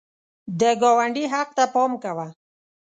د ګاونډي حق ته پام کوه